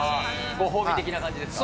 ご褒美的な感じですか。